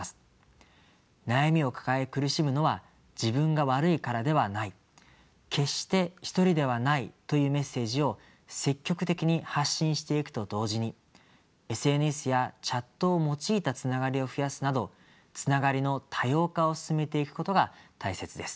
悩みを抱え苦しむのは自分が悪いからではない決して一人ではないというメッセージを積極的に発信していくと同時にＳＮＳやチャットを用いたつながりを増やすなどつながりの多様化を進めていくことが大切です。